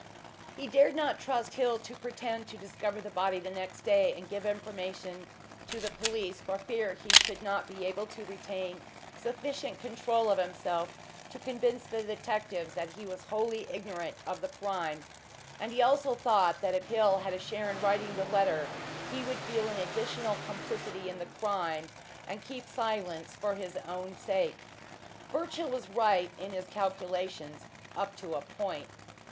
He dared not trust Hill to pretend to discover the body the next day and give information to the police, for fear he should not be able to retain sufficient control of himself to convince the detectives that he was wholly ignorant of the crime, and he also thought that if Hill had a share in writing the letter he would feel an additional complicity in the crime, and keep silence for his own sake. Birchill was right in his calculations up to a point.